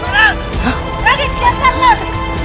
raden kian santal